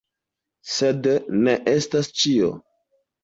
Sed ne estas ĉio.